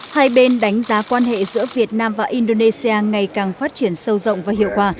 hai bên đánh giá quan hệ giữa việt nam và indonesia ngày càng phát triển sâu rộng và hiệu quả